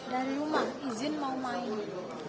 dari rumah izin mau main